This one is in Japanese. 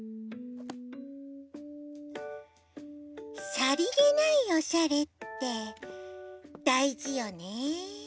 「さりげないおしゃれ」ってだいじよね。